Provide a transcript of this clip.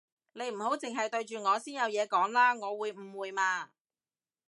你唔好剩係對住我先有嘢講啦，我會誤會嘛